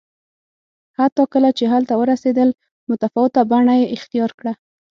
حتی کله چې هلته ورسېدل متفاوته بڼه یې اختیار کړه